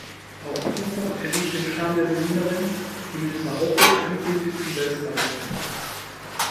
Auch Cooper erliegt dem Charme der Berlinerin, die mit "Marokko" endgültig zum Weltstar wird.